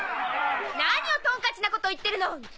何をトンカチなこと言ってるの！